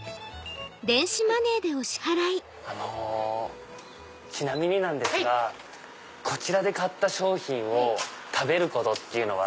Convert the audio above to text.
あのちなみになんですがこちらで買った商品を食べることっていうのは。